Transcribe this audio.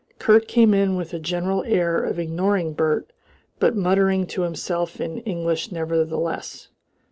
Kurt came in with a general air of ignoring Bert, but muttering to himself in English nevertheless.